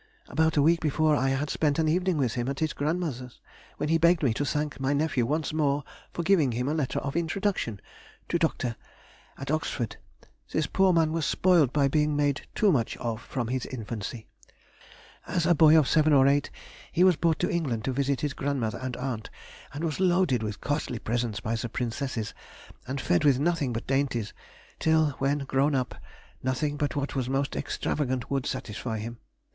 About a week before I had spent an evening with him at his grandmother's, when he begged me to thank my nephew once more for giving him a letter of introduction to Dr. ——, at Oxford. This poor man was spoiled by being made too much of from his infancy. As a boy of seven or eight, he was brought to England to visit his grandmother and aunt, and was loaded with costly presents by the Princesses, and fed with nothing but dainties, till, when grown up, nothing but what was most extravagant would satisfy him.